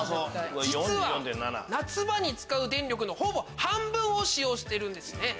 実は夏場に使う電力のほぼ半分を使用してる。